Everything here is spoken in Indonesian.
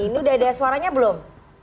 ini udah ada suaranya belum